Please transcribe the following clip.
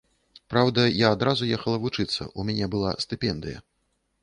Праўда, я адразу ехала вучыцца, у мяне была стыпендыя.